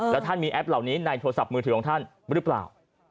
แล้วท่านมีแอปเหล่านี้ในโทรศัพท์มือถือของท่านหรือเปล่า